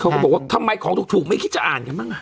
เขาก็บอกว่าทำไมของถูกไม่คิดจะอ่านกันมั้ง